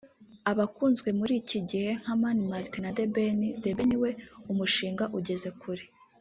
abakunzwe muri iki gihe nka Mani Martin na The Ben […] The Ben we umushinga ugeze kure